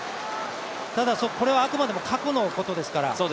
ただこれはあくまでも過去のことですから。